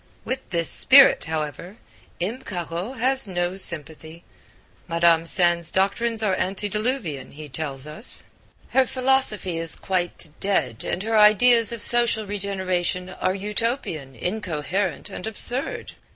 With this spirit, however, M. Caro has no sympathy. Madame Sand's doctrines are antediluvian, he tells us, her philosophy is quite dead and her ideas of social regeneration are Utopian, incoherent and absurd.